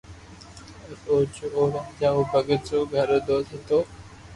او راجا او ڀگت رو گھرو دوست ھتو